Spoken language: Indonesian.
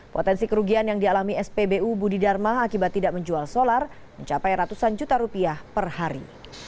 potensi kerugian yang dialami spbu budi dharma akibat tidak menjual solar mencapai ratusan juta rupiah per hari